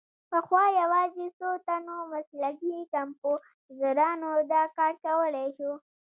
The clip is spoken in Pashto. پخوا یوازې څو تنو مسلکي کمپوزرانو دا کار کولای شو.